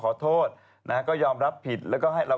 ปิดกล้องไปแล้วใช่มั้ย